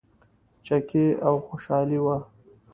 چکې او خوشحالي وه.